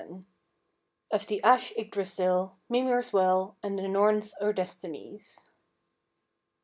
'" OF THE ASH YGGDRASILL, MIMIR'S WELL., AND THE NORNS OR DESTINIES.